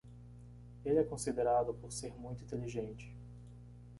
Ele é considerado por ser muito inteligente.